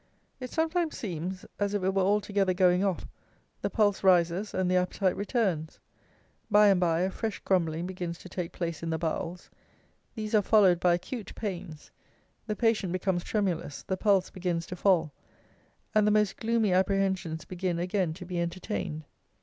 It sometimes seems as if it were altogether going off; the pulse rises, and the appetite returns. By and by a fresh grumbling begins to take place in the bowels. These are followed by acute pains; the patient becomes tremulous; the pulse begins to fall, and the most gloomy apprehensions begin again to be entertained.